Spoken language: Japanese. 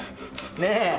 ねえ。